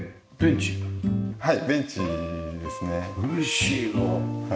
はい。